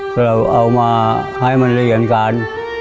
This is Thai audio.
เราเอามาให้มันเรียนกัน